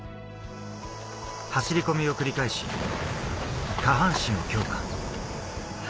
走り込みを繰り返し、下半身を強化。